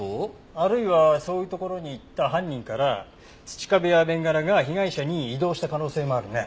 あるいはそういう所に行った犯人から土壁やベンガラが被害者に移動した可能性もあるね。